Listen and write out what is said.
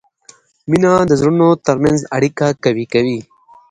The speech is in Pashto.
مینه د زړونو ترمنځ اړیکه قوي کوي.